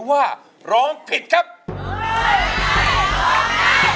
มาฟังอินโทรเพลงที่๑๐